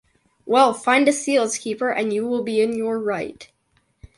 Well, find a seals keeper and you will be in your right!